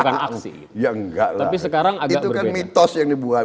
gagal menjadi victoria channel